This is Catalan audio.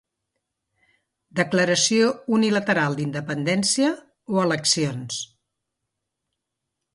Declaració unilateral d'independència o eleccions.